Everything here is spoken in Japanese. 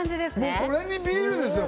もうこれにビールですよ